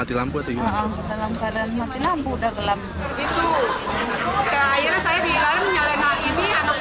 akhirnya saya buka pintu keluar orang orang pada jerit jerit